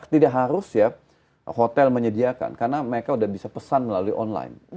tidak harus ya hotel menyediakan karena mereka sudah bisa pesan melalui online